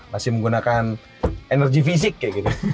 masih menggunakan energi fisik kayak gitu